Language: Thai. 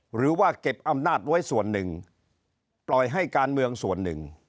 หรือว่าเก็บอำนาจไว้ส่วนหนึ่งปล่อยให้การเมืองส่วนหนึ่ง